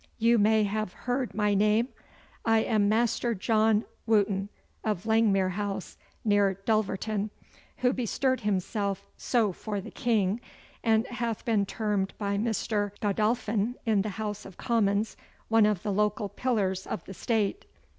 'You may have heard my name? I am Master John Wooton, of Langmere House, near Dulverton, who bestirred himself so for the King, and hath been termed by Mr. Godolphin, in the House of Commons, one of the local pillars of the State.